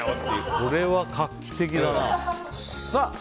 これは画期的だな。